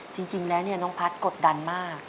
จริงแล้วเนี่ยน้องพัสกดดันมาก